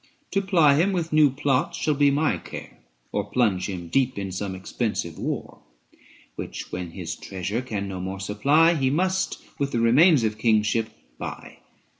To ply him with new plots shall be my care, Or plunge him deep in some expensive war; Which when his treasure can no more supply, 395 He must with the remains of kingship buy.